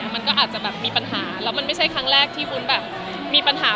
มันก็อาจจะแบบมีปัญหาแล้วมันไม่ใช่ครั้งแรกที่วุ้นแบบมีปัญหา